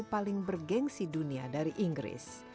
paling bergensi dunia dari inggris